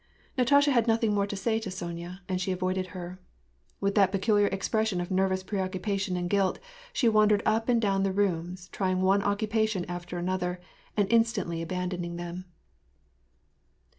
Natasha had nothing more to say to Sonya, and avoided her. With that peculiar expression of nervous pre occupation and guilt, she wandered up and down the rooms, trying one occupation after another, and instantly abandoning them.